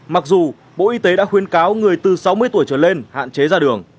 mặc dù bộ y tế đã khuyên cáo người từ sáu mươi tuổi trở lên hạn chế ra đường